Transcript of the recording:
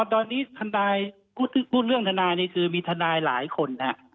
ตอนนี้ทนายพูดเรื่องทนายนี่คือมีทนายหลายคน